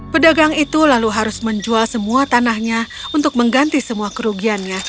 pedagang itu lalu harus menjual semua tanahnya untuk mengganti semua kerugiannya